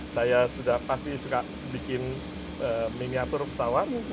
saya sudah pasti suka bikin miniatur pesawat